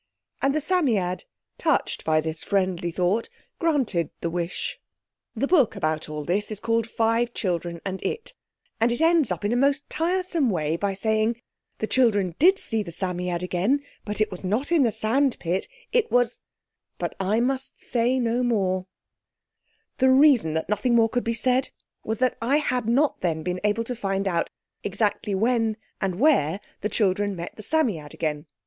And the Psammead, touched by this friendly thought, granted the wish. The book about all this is called Five Children and It, and it ends up in a most tiresome way by saying— "The children did see the Psammead again, but it was not in the sandpit; it was—but I must say no more—" The reason that nothing more could be said was that I had not then been able to find out exactly when and where the children met the Psammead again.